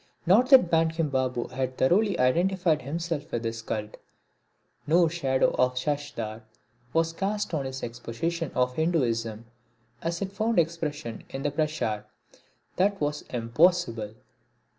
Not that Bankim Babu even thoroughly identified himself with this cult. No shadow of Sashadhar was cast on his exposition of Hinduism as it found expression in the Prachar that was impossible.